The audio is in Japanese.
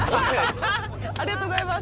ありがとうございます。